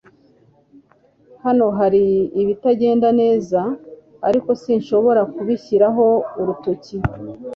Hano hari ibitagenda neza, ariko sinshobora kubishyiraho urutoki.